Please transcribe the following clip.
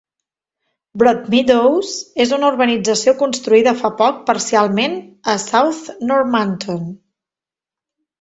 Broadmeadows és una urbanització construïda fa poc parcialment a South Normanton.